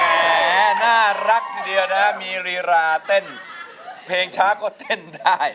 น่ารักทีเดียวนะครับมีรีราเต้นเพลงช้าก็เต้นได้